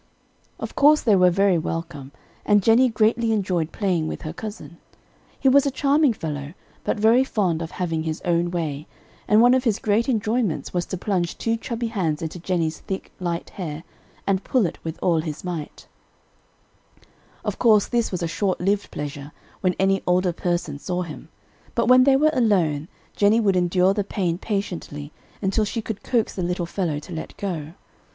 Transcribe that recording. Of course they were very welcome, and Jennie greatly enjoyed playing with her cousin. He was a charming fellow, but very fond of having his own way; and one of his great enjoyments was to plunge two chubby hands into Jennie's thick, light hair, and pull it with all his might. [Illustration: "He pulled Jennie's hair with all his might."] Of course this was a short lived pleasure when any older person saw him, but when they were alone, Jennie would endure the pain patiently until she could coax the little fellow to let go.